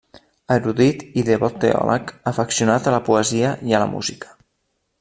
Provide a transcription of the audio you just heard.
Erudit i devot teòleg, afeccionat a la poesia i a la música.